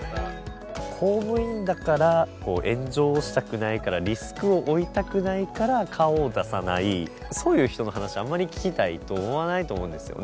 公務員だから炎上をしたくないからリスクを負いたくないから顔を出さないそういう人の話あんまり聞きたいと思わないと思うんですよね。